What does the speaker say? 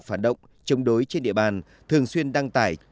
phản động chống đối trên địa bàn thường xuyên đăng tải